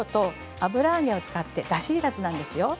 油揚げを使ってだしいらずです。